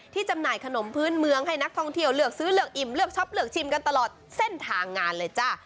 จำหน่ายขนมพื้นเมืองให้นักท่องเที่ยวเลือกซื้อเลือกอิ่มเลือกช็อปเลือกชิมกันตลอดเส้นทางงานเลยจ้ะ